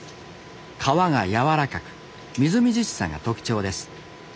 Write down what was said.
皮が柔らかくみずみずしさが特徴です。